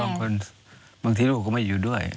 บางทีลูกก็ไม่อยู่ด้วย